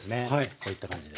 こういった感じで。